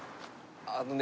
あのね。